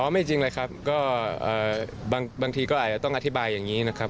ไม่จริงเลยครับก็บางทีก็อาจจะต้องอธิบายอย่างนี้นะครับ